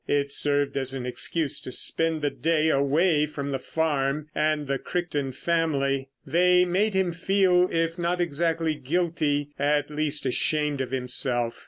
It served as an excuse to spend the day away from the farm—and the Crichton family. They made him feel, if not exactly guilty, at least ashamed of himself.